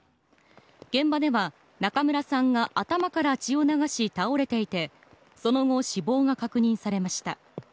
現場では、中村さんが頭から血を流し倒れていてその後、死亡が確認されました。